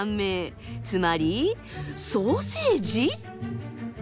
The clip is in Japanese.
つまりソーセージ？